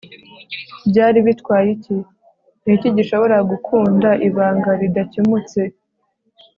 byari bitwaye iki? niki gishobora gukunda, ibanga ridakemutse